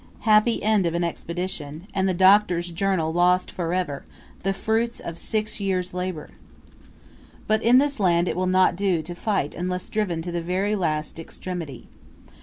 Happy end of an Expedition! And the Doctor's Journal lost for ever the fruits of six years' labor! But in this land it will not do to fight unless driven to the very last extremity.